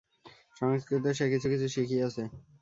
সংস্কৃত সে কিছু কিছু শিখিয়াছে।